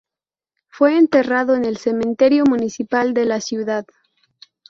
Fue enterrado en el Cementerio Municipal de la ciudad.